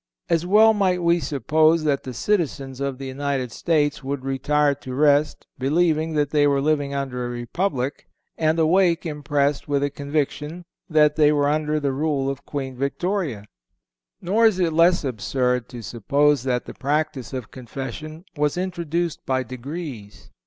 As well might we suppose that the citizens of the United States would retire to rest believing they were living under a Republic, and awake impressed with the conviction that they were under the rule of Queen Victoria. Nor is it less absurd to suppose that the practice of Confession was introduced by degrees.